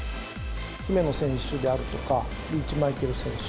姫野選手であるとかリーチマイケル選手